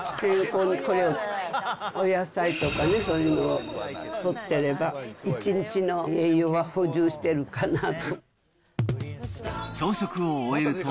お野菜とかね、そういうのをとってれば、一日の栄養は補充してるかなと。